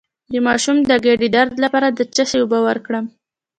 د ماشوم د ګیډې درد لپاره د څه شي اوبه ورکړم؟